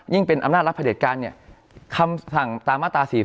ยิ่งเป็นอำนาจรัฐประเด็ดการเนี่ยคำสั่งตามตา๔๔